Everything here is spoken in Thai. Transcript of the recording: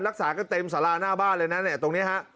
รักษากันเต็มศาล่าหน้าบ้านเลยนั้นแหละ